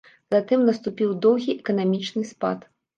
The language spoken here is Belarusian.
Затым наступіў доўгі эканамічны спад.